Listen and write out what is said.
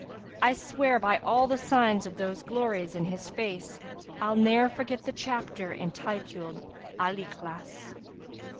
I swear by all the signs[FN#353] of those glories in his face * I'll ne'er forget the Chapter entituled Al Ikhlas."